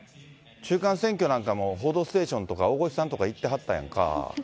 中間選挙でも報道ステーションとか、大越さんとか行ってはったやんか。